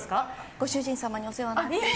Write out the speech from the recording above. ご主人様にお世話になって。